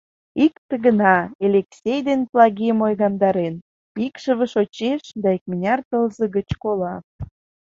Икте гына Элексей ден Палагим ойгандарен: икшыве шочеш да икмыняр тылзе гыч кола.